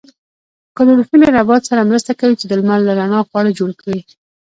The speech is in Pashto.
کلوروفیل له نبات سره مرسته کوي چې د لمر له رڼا خواړه جوړ کړي